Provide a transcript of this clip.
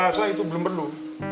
apa rasanya itu belum perlu